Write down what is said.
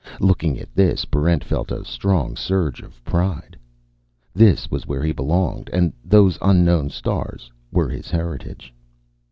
Looking at this, Barrent felt a strong surge of pride. This was where he belonged, and those unknown stars were his heritage.